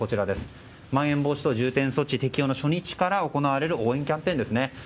まん延防止等重点措置適用の初日から行われる応援キャンペーンですね。